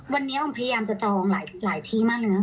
วันนี้พยายามจะจองหลายทีมากเลย